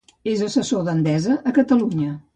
És assessor d'Endesa a Catalunya.